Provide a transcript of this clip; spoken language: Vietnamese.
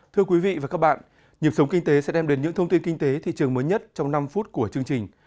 thưa quý vị và các bạn nhịp sống kinh tế sẽ đem đến những thông tin kinh tế thị trường mới nhất trong năm phút của chương trình